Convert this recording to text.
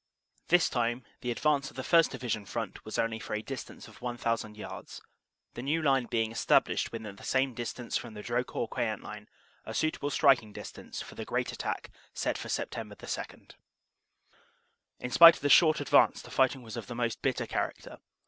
This time the advance of the 1st. Division front was only for a distance of 1,000 yards, the new line being established within the same distance from the Drocourt Queant line a suitable striking distance for the great attack set for Sept. 2. In spite of the short advance the fighting was of the most bitter character.